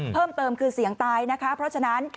เพิ่มเติมคือเสียงตายนะคะเพราะฉะนั้น